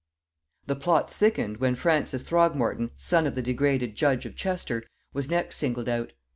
The plot thickened when Francis Throgmorton, son of the degraded judge of Chester, was next singled out.